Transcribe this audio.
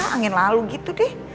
angin lalu gitu deh